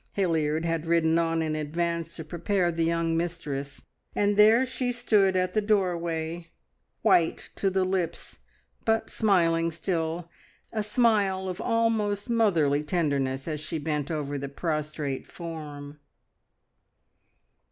Hilliard had ridden on in advance to prepare the young mistress, and there she stood at the doorway, white to the lips, but smiling still, a smile of almost motherly tenderness as she bent over the prostrate form.